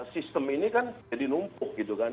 sistem ini kan jadi numpuk gitu kan